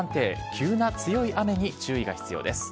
急な強い雨に注意が必要です。